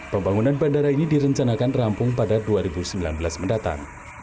pembangunan bandara ini direncanakan rampung pada dua ribu sembilan belas mendatang